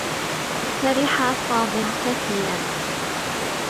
فرح فاضل كثيرا.